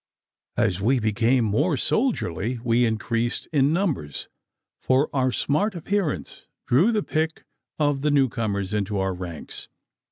As we became more soldierly we increased in numbers, for our smart appearance drew the pick of the new comers into our ranks.